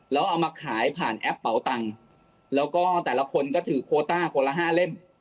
แล้วเอามาขายผ่านแอปเป๋าตังค์แล้วก็แต่ละคนก็ถือโคต้าคนละห้าเล่ม